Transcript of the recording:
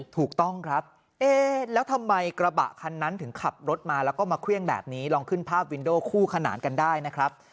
ถูกต้องครับเอ๊ะแล้วทำไมกระบะคันนั้นถึงขับรถมาแล้วก็มาเครื่องแบบนี้ลองขึ้นภาพวินโดคู่ขนานกันได้นะครับ